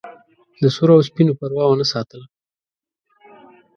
د سرو او سپینو پروا ونه ساتله.